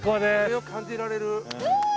風を感じられる。